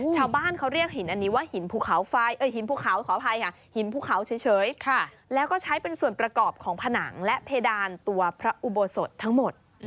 ชาวบ้านเขาเรียกหินอันนี้ว่าหินภูเขาไฟหินภูเขาขออภัยค่ะหินภูเขาเฉยแล้วก็ใช้เป็นส่วนประกอบของผนังและเพดานตัวพระอุโบสถทั้งหมด